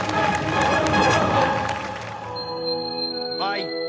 はい。